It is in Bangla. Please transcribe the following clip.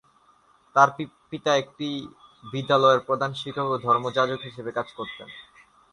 তাঁর পিতা একটি বিদ্যালয়ের প্রধান শিক্ষক ও ধর্মযাজক হিসেবে কাজ করতেন।